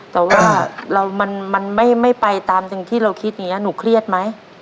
แต่ว่ามันไม่ไปตามสิ่งที่เราคิดอย่างนี้หนูเครียดไหม